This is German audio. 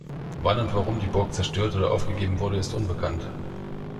Wann und warum die Burg zerstört oder aufgegeben wurde, ist unbekannt.